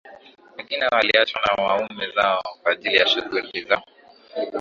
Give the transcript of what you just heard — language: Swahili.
Wengine waliachwa na waume zao kwaajili ya shughuli hiyo